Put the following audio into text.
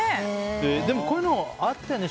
でも、こういうのあったよね。